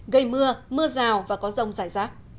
gây mưa mưa rào và có rông rải rác